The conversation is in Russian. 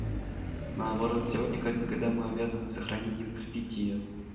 Наоборот, сегодня как никогда мы обязаны сохранить и укрепить ее.